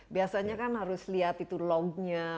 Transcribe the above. biasanya kan harus lihat itu log nya